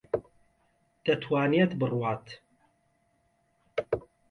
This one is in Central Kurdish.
دەتوانێت بڕوات.